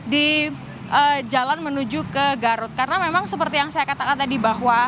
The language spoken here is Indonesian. di jalan menuju ke garut karena memang seperti yang saya katakan tadi bahwa